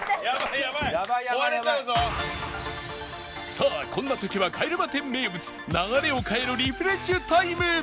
さあこんな時は帰れま１０名物流れを変えるリフレッシュタイム